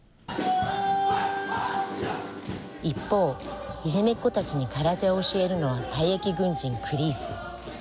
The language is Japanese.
一方、いじめっ子たちに空手を教えるのは退役軍人クリース。